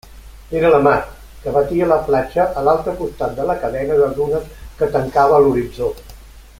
Era la mar, que batia la platja a l'altre costat de la cadena de dunes que tancava l'horitzó.